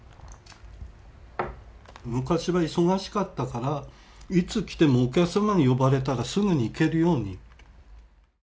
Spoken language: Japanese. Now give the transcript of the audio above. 昔は忙しかったからいつ来てもお客様に呼ばれたらすぐに行けるように。